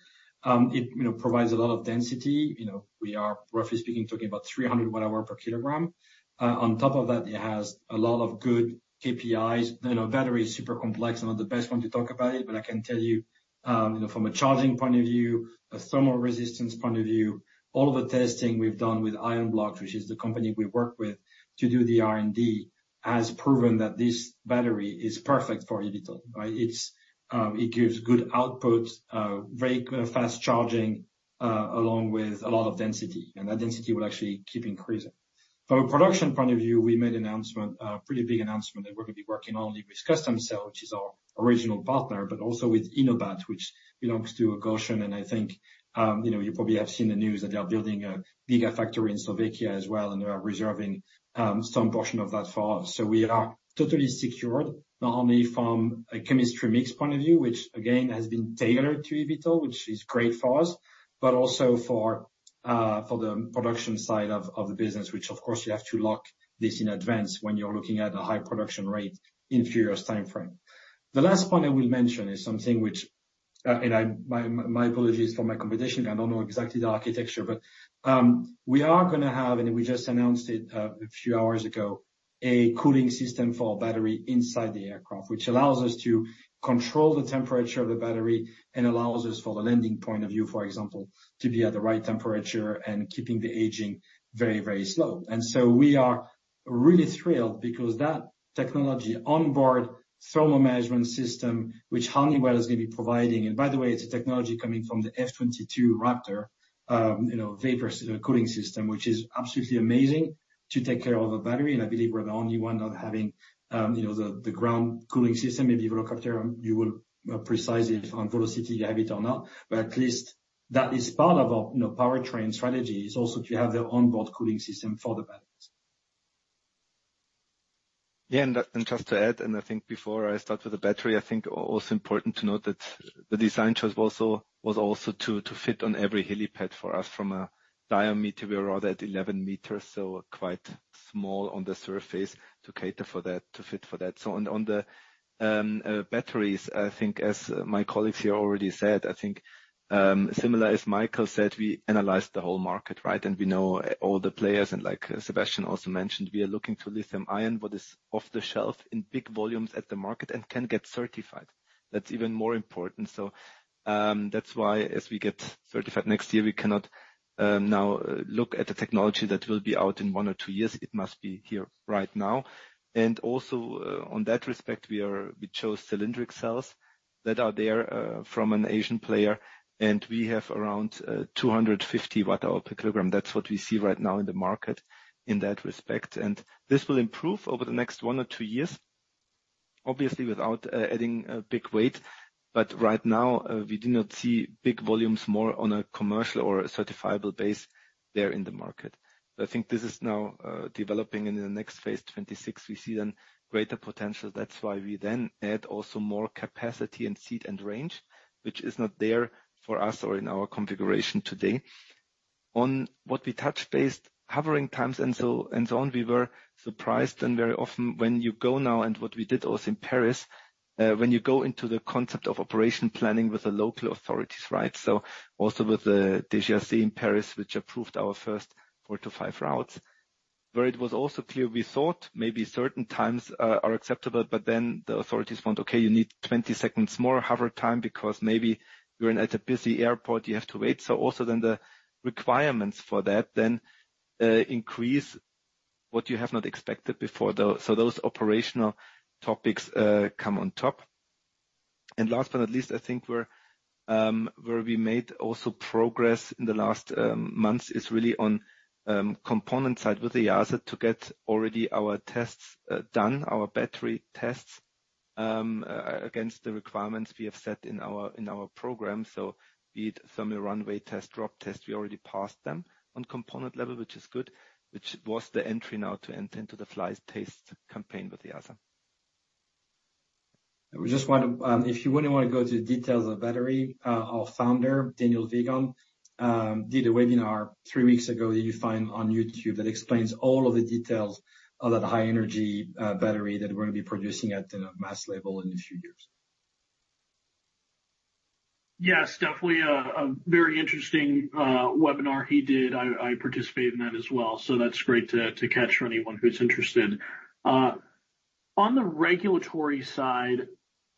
It, you know, provides a lot of density. You know, we are, roughly speaking, talking about 300 watt-hours per kilogram. On top of that, it has a lot of good KPIs. You know, battery is super complex. I'm not the best one to talk about it, but I can tell you, you know, from a charging point of view, a thermal resistance point of view, all of the testing we've done with Ionblox, which is the company we work with to do the R&D, has proven that this battery is perfect for eVTOL, right? It's, it gives good output, very fast charging, along with a lot of density, and that density will actually keep increasing. From a production point of view, we made an announcement, a pretty big announcement, that we're gonna be working not only with Customcell, which is our original partner, but also with InoBat, which belongs to Gotion. I think, you know, you probably have seen the news that they are building a gigafactory in Slovakia as well, and they are reserving, some portion of that for us. So we are totally secured, not only from a chemistry mix poin of view, which again, has been tailored to eVTOL, which is great for us, but also for the production side of the business, which of course you have to lock this in advance when you're looking at a high production rate in furious timeframe. The last point I will mention is something which my apologies for my competition, I don't know exactly the architecture, but we are gonna have, and we just announced it a few hours ago, a cooling system for battery inside the aircraft, which allows us to control the temperature of the battery and allows us, from a landing point of view, for example, to be at the right temperature and keeping the aging very, very slow. And so we are really thrilled because that technology, onboard thermal management system, which Honeywell is going to be providing, and by the way, it's a technology coming from the F-22 Raptor, you know, vapor cooling system, which is absolutely amazing to take care of a battery. And I believe we're the only one not having, you know, the ground cooling system. Maybe helicopter, you will precise it on Vertical, you have it or not, but at least that is part of our, you know, powertrain strategy, is also to have the onboard cooling system for the batteries.... Yeah, and just to add, and I think before I start with the battery, I think also important to note that the design choice also was also to fit on every helipad for us from a diameter. We are around at 11 meters, so quite small on the surface to cater for that, to fit for that. So on the batteries, I think as my colleagues here already said, similar as Michael said, we analyzed the whole market, right? And we know all the players, and like Sebastien also mentioned, we are looking to lithium-ion, what is off the shelf in big volumes at the market and can get certified. That's even more important. That's why as we get certified next year, we cannot now look at the technology that will be out in 1 or 2 years. It must be here right now. And also, on that respect, we are—we chose cylindrical cells that are there from an Asian player, and we have around 250 watt-hours per kilogram. That's what we see right now in the market in that respect. And this will improve over the next 1 or 2 years, obviously, without adding a big weight. But right now, we do not see big volumes more on a commercial or a certifiable base there in the market. I think this is now developing in the next phase 26, we see then greater potential. That's why we then add also more capacity, and seat, and range, which is not there for us or in our configuration today. On what we touch based hovering times and so on, and so on, we were surprised, and very often when you go now, and what we did also in Paris, when you go into the concept of operation planning with the local authorities, right? So also with the DGAC in Paris, which approved our first 4-5 routes, where it was also clear, we thought maybe certain times are acceptable, but then the authorities found, okay, you need 20 seconds more hover time because maybe you're at a busy airport, you have to wait. So also then the requirements for that then increase what you have not expected before. Though, so those operational topics come on top. Last but not least, I think where we made also progress in the last months is really on component side with the EASA to get already our tests done, our battery tests against the requirements we have set in our program. So be it thermal runaway test, drop test, we already passed them on component level, which is good, which was the entry now to enter into the flight test campaign with the EASA. I just want to, if you really want to go to the details of battery, our founder, Daniel Wiegand, did a webinar three weeks ago that you find on YouTube that explains all of the details of that high energy, battery that we're going to be producing at a mass level in a few years. Yes, definitely, a very interesting webinar he did. I, I participated in that as well, so that's great to, to catch for anyone who's interested. On the regulatory side,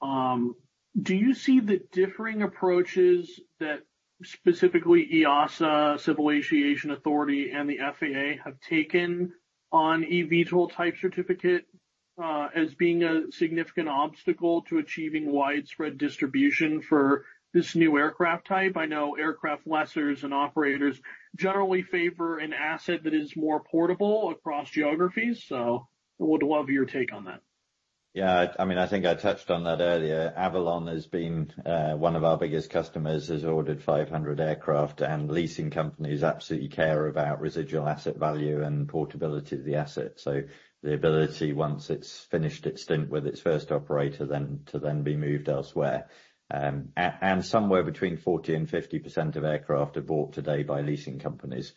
do you see the differing approaches that specifically EASA, Civil Aviation Authority, and the FAA have taken on eVTOL Type Certificate as being a significant obstacle to achieving widespread distribution for this new aircraft type? I know aircraft lessors and operators generally favor an asset that is more portable across geographies, so would love your take on that. Yeah, I mean, I think I touched on that earlier. Avalon has been one of our biggest customers, has ordered 500 aircraft, and leasing companies absolutely care about residual asset value and portability of the asset. So the ability, once it's finished its stint with its first operator, then to be moved elsewhere. And somewhere between 40% and 50% of aircraft are bought today by leasing companies.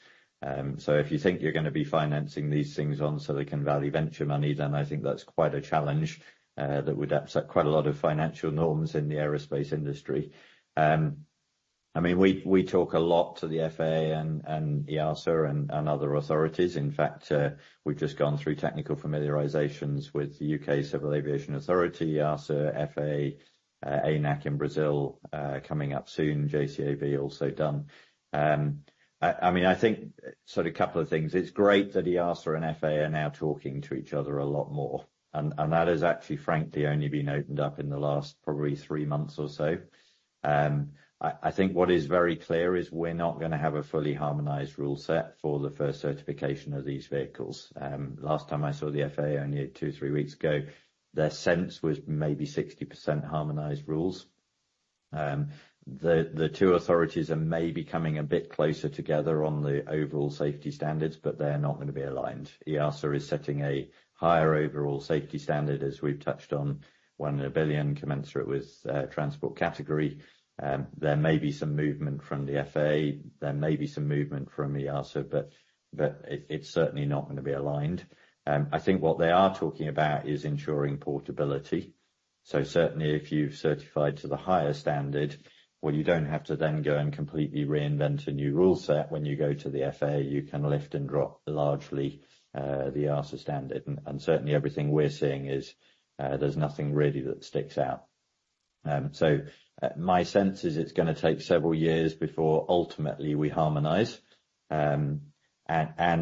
So if you think you're gonna be financing these things on so they can value venture money, then I think that's quite a challenge that would upset quite a lot of financial norms in the aerospace industry. I mean, we talk a lot to the FAA and EASA and other authorities. In fact, we've just gone through technical familiarizations with the UK Civil Aviation Authority, EASA, FAA, ANAC in Brazil, coming up soon, JCAB also done. I mean, I think sort of a couple of things. It's great that EASA and FAA are now talking to each other a lot more, and that has actually, frankly, only been opened up in the last probably three months or so. I think what is very clear is we're not gonna have a fully harmonized rule set for the first certification of these vehicles. Last time I saw the FAA, only 2-3 weeks ago, their sense was maybe 60% harmonized rules. The two authorities are maybe coming a bit closer together on the overall safety standards, but they're not gonna be aligned. EASA is setting a higher overall safety standard, as we've touched on, 1 billion commensurate with transport category. There may be some movement from the FAA, there may be some movement from EASA, but, but it, it's certainly not gonna be aligned. I think what they are talking about is ensuring portability. So certainly, if you've certified to the higher standard, well, you don't have to then go and completely reinvent a new rule set when you go to the FAA. You can lift and drop largely the EASA standard, and certainly everything we're seeing is, there's nothing really that sticks out. So, my sense is it's gonna take several years before ultimately we harmonize. And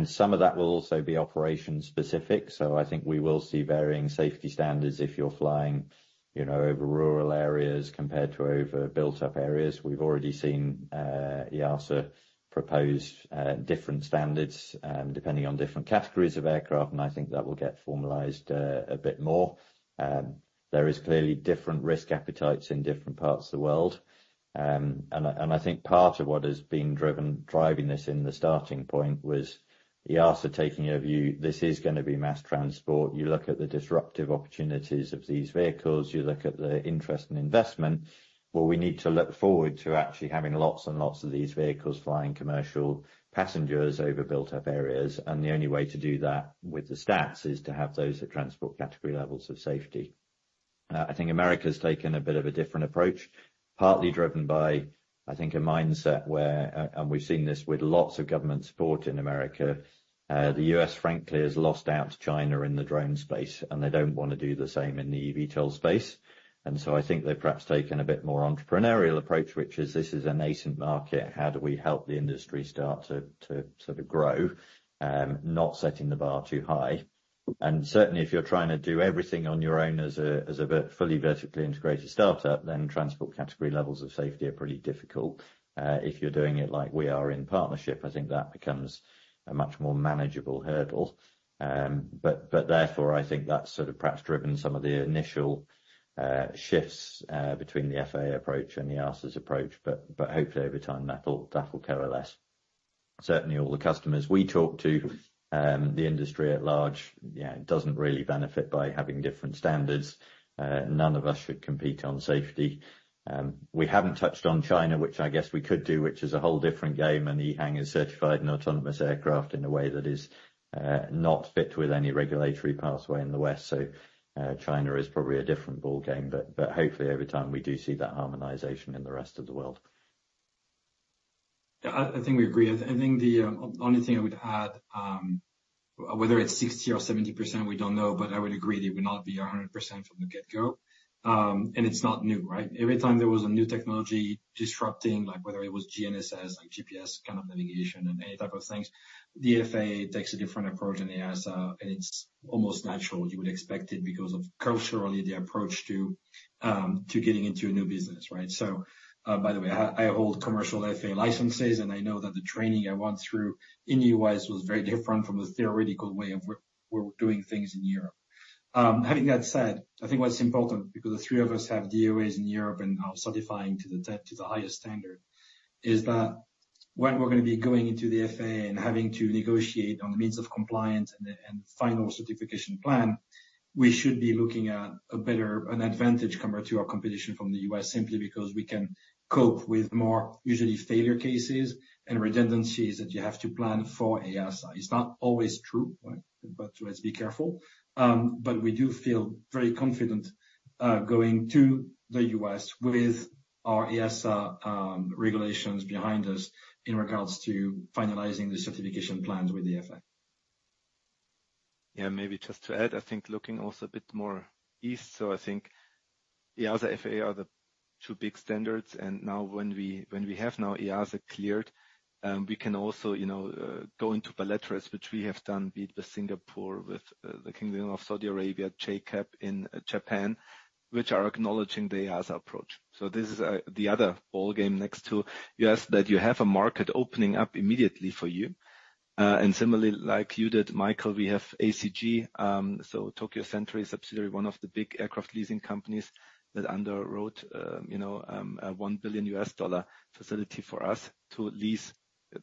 some of that will also be operation specific, so I think we will see varying safety standards if you're flying, you know, over rural areas compared to over built-up areas. We've already seen EASA propose different standards depending on different categories of aircraft, and I think that will get formalized a bit more. There is clearly different risk appetites in different parts of the world. And I think part of what has been driving this in the starting point was EASA taking a view, this is going to be mass transport. You look at the disruptive opportunities of these vehicles, you look at the interest and investment. Well, we need to look forward to actually having lots and lots of these vehicles flying commercial passengers over built-up areas, and the only way to do that with the stats is to have those at transport category levels of safety. I think America has taken a bit of a different approach, partly driven by, I think, a mindset where, and we've seen this with lots of government support in America. The US, frankly, has lost out to China in the drone space, and they don't want to do the same in the eVTOL space. And so I think they've perhaps taken a bit more entrepreneurial approach, which is this is a nascent market. How do we help the industry start to sort of grow, not setting the bar too high? Certainly, if you're trying to do everything on your own as a fully vertically integrated start-up, then transport category levels of safety are pretty difficult. If you're doing it like we are in partnership, I think that becomes a much more manageable hurdle. But therefore, I think that's sort of perhaps driven some of the initial shifts between the FAA approach and the EASA's approach. But hopefully, over time, that will coalesce. Certainly, all the customers we talk to, the industry at large, yeah, doesn't really benefit by having different standards. None of us should compete on safety. We haven't touched on China, which I guess we could do, which is a whole different game, and EHang is certified in autonomous aircraft in a way that is not fit with any regulatory pathway in the West. So, China is probably a different ballgame, but hopefully, over time, we do see that harmonization in the rest of the world. Yeah, I, I think we agree. I, I think the, only thing I would add, whether it's 60 or 70%, we don't know, but I would agree it would not be 100% from the get-go. And it's not new, right? Every time there was a new technology disrupting, like whether it was GNSS, like GPS kind of navigation and any type of things, the FAA takes a different approach than the EASA, and it's almost natural. You would expect it because of culturally, the approach to, to getting into a new business, right? So, by the way, I, I hold commercial FAA licenses, and I know that the training I went through in the US was very different from the theoretical way of work- doing things in Europe. Having that said, I think what's important, because the three of us have DOAs in Europe and are certifying to the highest standard, is that when we're going to be going into the FAA and having to negotiate on the means of compliance and the final certification plan, we should be looking at a better advantage compared to our competition from the US, simply because we can cope with more usually failure cases and redundancies that you have to plan for EASA. It's not always true, right? But let's be careful. But we do feel very confident going to the US with our EASA regulations behind us in regards to finalizing the certification plans with the FAA. Yeah, maybe just to add, I think looking also a bit more east. So I think EASA, FAA are the two big standards, and now when we, when we have now EASA cleared, we can also, you know, go into bilaterals, which we have done, be it with Singapore, with the Kingdom of Saudi Arabia, JCAB in Japan, which are acknowledging the EASA approach. So this is the other ballgame next to US, that you have a market opening up immediately for you. And similarly, like you did, Michael, we have ACG, so Tokyo Century subsidiary, one of the big aircraft leasing companies that underwrote, you know, a $1 billion facility for us to lease,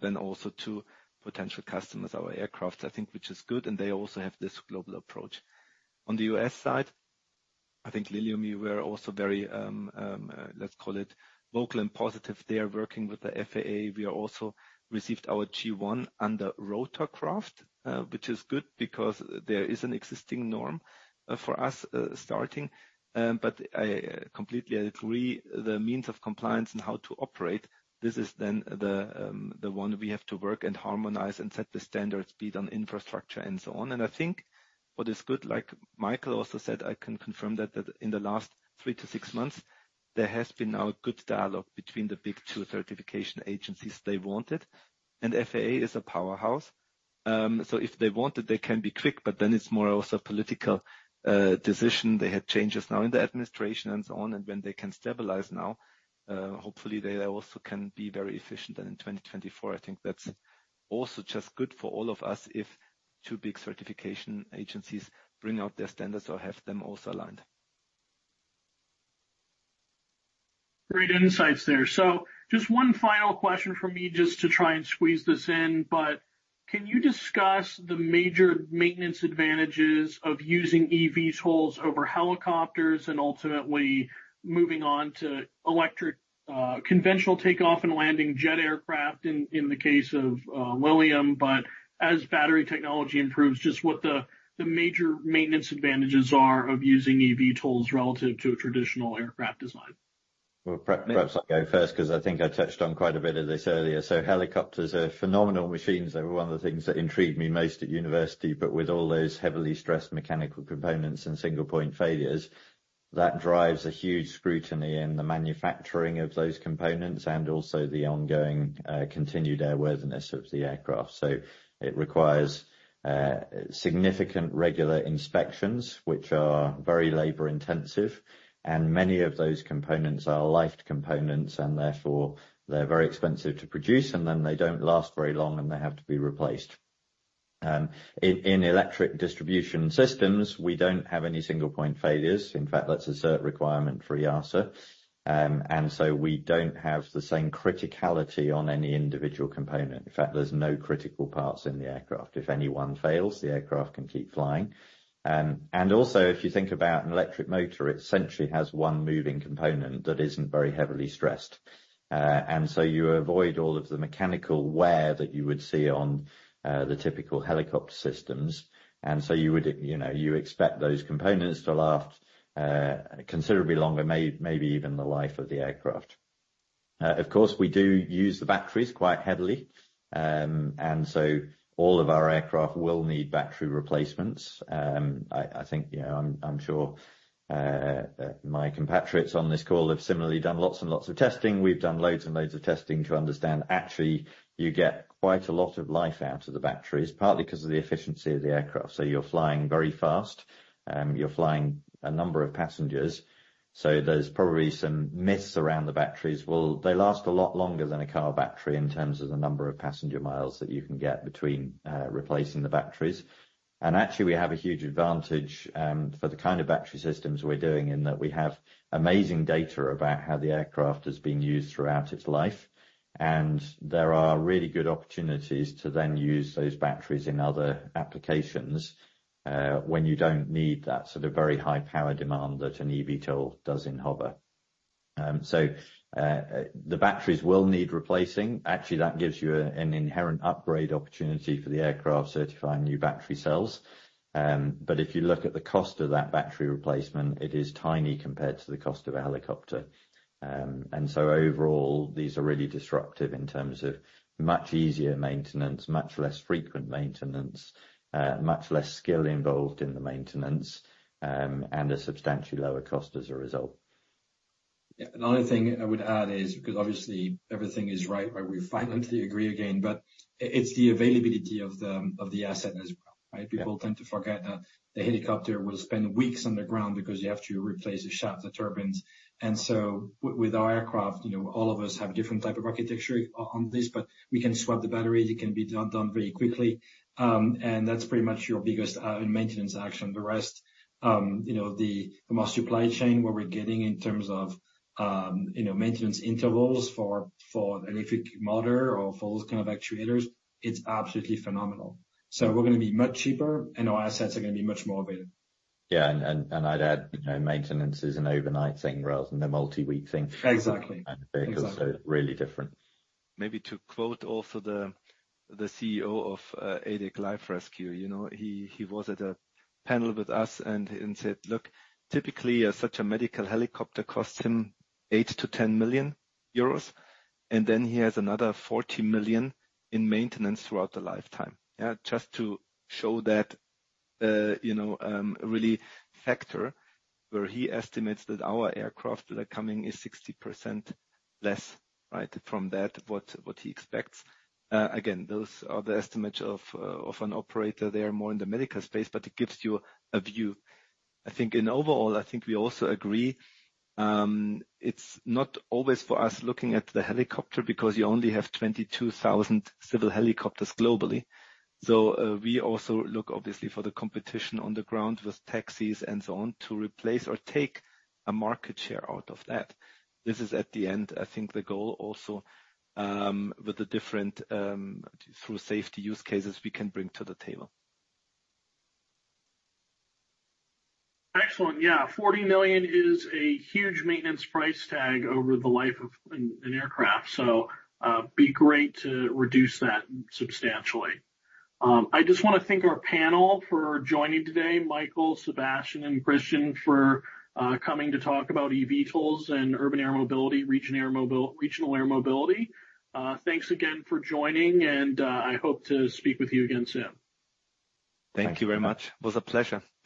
then also to potential customers, our aircraft, I think, which is good, and they also have this global approach. On the US side, I think, Lilium, you were also very, let's call it vocal and positive. They are working with the FAA. We are also received our G-1 under rotorcraft, which is good because there is an existing norm, for us, starting. But I completely agree, the means of compliance and how to operate, this is then the, the one we have to work and harmonize and set the standards, be it on infrastructure and so on. And I think what is good, like Michael also said, I can confirm that, that in the last 3-6 months, there has been now a good dialogue between the big two certification agencies they wanted, and FAA is a powerhouse. So if they want it, they can be quick, but then it's more also political, decision. They had changes now in the administration and so on, and when they can stabilize now, hopefully, they also can be very efficient. And in 2024, I think that's also just good for all of us if two big certification agencies bring out their standards or have them also aligned. Great insights there. So just one final question from me, just to try and squeeze this in, but can you discuss the major maintenance advantages of using eVTOLs over helicopters and ultimately moving on to electric, conventional takeoff and landing jet aircraft in the case of Lilium? But as battery technology improves, just what the major maintenance advantages are of using eVTOLs relative to a traditional aircraft design. Well, perhaps I'll go first, because I think I touched on quite a bit of this earlier. So helicopters are phenomenal machines. They were one of the things that intrigued me most at university, but with all those heavily stressed mechanical components and single point failures, that drives a huge scrutiny in the manufacturing of those components and also the ongoing, continued airworthiness of the aircraft. So it requires significant regular inspections, which are very labor intensive, and many of those components are lifed components, and therefore, they're very expensive to produce, and then they don't last very long, and they have to be replaced. In electric distribution systems, we don't have any single point failures. In fact, that's a cert requirement for EASA. And so we don't have the same criticality on any individual component. In fact, there's no critical parts in the aircraft. If any one fails, the aircraft can keep flying. And also, if you think about an electric motor, it essentially has one moving component that isn't very heavily stressed. And so you avoid all of the mechanical wear that you would see on the typical helicopter systems. And so you would, you know, you expect those components to last considerably longer, maybe even the life of the aircraft. Of course, we do use the batteries quite heavily. And so all of our aircraft will need battery replacements. I think, you know, I'm sure my compatriots on this call have similarly done lots and lots of testing. We've done loads and loads of testing to understand actually, you get quite a lot of life out of the batteries, partly because of the efficiency of the aircraft. So you're flying very fast, you're flying a number of passengers, so there's probably some myths around the batteries. Well, they last a lot longer than a car battery in terms of the number of passenger miles that you can get between replacing the batteries. And actually, we have a huge advantage for the kind of battery systems we're doing, in that we have amazing data about how the aircraft has been used throughout its life, and there are really good opportunities to then use those batteries in other applications when you don't need that sort of very high power demand that an eVTOL does in hover. The batteries will need replacing. Actually, that gives you an inherent upgrade opportunity for the aircraft certifying new battery cells. But if you look at the cost of that battery replacement, it is tiny compared to the cost of a helicopter. And so overall, these are really disruptive in terms of much easier maintenance, much less frequent maintenance, much less skill involved in the maintenance, and a substantially lower cost as a result. Yeah. Another thing I would add is, because obviously everything is right, right? We finally agree again, but it's the availability of the, of the asset as well, right? Yeah. People tend to forget that the helicopter will spend weeks on the ground because you have to replace the shaft, the turbines. And so with our aircraft, you know, all of us have different type of architecture on this, but we can swap the batteries. It can be done, done very quickly. And that's pretty much your biggest maintenance action. The rest, you know, the, from our supply chain, what we're getting in terms of, you know, maintenance intervals for, for an electric motor or for those kind of actuators, it's absolutely phenomenal. So we're gonna be much cheaper, and our assets are gonna be much more available. Yeah. And I'd add, you know, maintenance is an overnight thing rather than a multi-week thing- Exactly for those kind of vehicles, so really different. Maybe to quote also the CEO of ADAC Luftrettung, you know, he was at a panel with us and said, "Look, typically, such a medical helicopter costs him 8 million-10 million euros, and then he has another 40 million in maintenance throughout the lifetime." Yeah, just to show that, you know, really factor, where he estimates that our aircraft that are coming is 60% less, right, from that what he expects. Again, those are the estimates of an operator. They are more in the medical space, but it gives you a view. I think overall, I think we also agree, it's not always for us looking at the helicopter, because you only have 22,000 civil helicopters globally. So, we also look obviously for the competition on the ground with taxis and so on, to replace or take a market share out of that. This is at the end, I think, the goal also, with the different, through safety use cases we can bring to the table. Excellent. Yeah. 40 million is a huge maintenance price tag over the life of an aircraft, so be great to reduce that substantially. I just wanna thank our panel for joining today, Michael, Sebastien, and Christian, for coming to talk about eVTOLs and urban air mobility, regional air mobility. Thanks again for joining, and I hope to speak with you again soon. Thank you very much. It was a pleasure. Thank you.